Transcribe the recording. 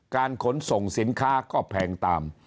ขนส่งสินค้าก็แพงตาม